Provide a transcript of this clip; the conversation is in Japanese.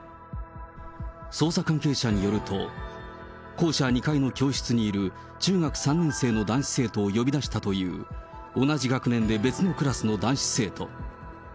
捜査関係者によると、校舎２階の教室にいる中学３年生の男子生徒を呼び出したという、同じ学年で別のクラスの男子生徒。